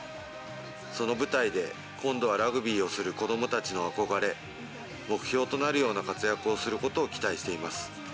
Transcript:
その舞台で今度はラグビーをする子どもたちの憧れ、目標となるような活躍をすることを期待しています。